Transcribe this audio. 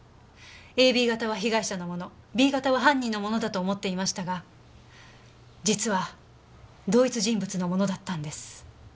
ＡＢ型は被害者のものＢ型は犯人のものだと思っていましたが実は同一人物のものだったんです。